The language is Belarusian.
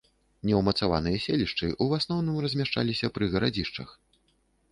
Неўмацаваныя селішчы ў асноўным размяшчаліся пры гарадзішчах.